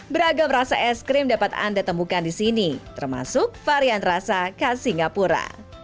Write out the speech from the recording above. baru tau kan sama saya juga baru tau